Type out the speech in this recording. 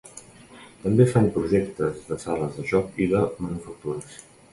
També es fan projectes de sales de joc i de manufactures.